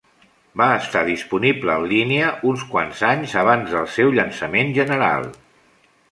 Va estar disponible en línia uns quants anys abans del seu llançament general.